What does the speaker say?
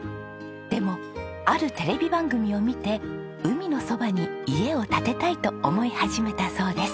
でもあるテレビ番組を見て海のそばに家を建てたいと思い始めたそうです。